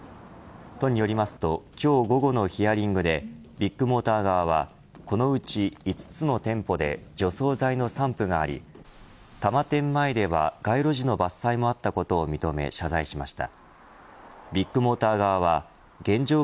都によりますと今日午後のヒアリングでビッグモーター側はこのうち５つの店舗で除草剤の散布があり多摩店前では街路樹の伐採もあったことを認め謝罪しました。